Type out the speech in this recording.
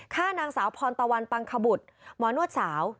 ฆ่านางสาวพรตวรรณปังขบุธหมอนวชสาว